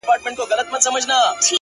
په درد آباد کي ویر د جانان دی